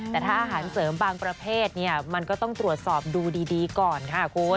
แต่ถ้าอาหารเสริมบางประเภทมันก็ต้องตรวจสอบดูดีก่อนค่ะคุณ